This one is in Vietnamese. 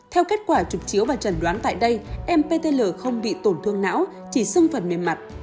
theo kết quả trục chiếu và trần đoán tại đây em ptl không bị tổn thương não chỉ xưng phần mềm mặt